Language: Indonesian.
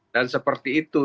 dan seperti itu